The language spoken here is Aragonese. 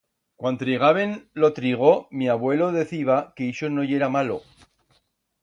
Cuan trigaben lo trigo mi avuelo deciba que ixo no yera malo.